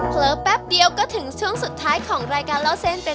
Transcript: แป๊บเดียวก็ถึงช่วงสุดท้ายของรายการเล่าเส้นเป็น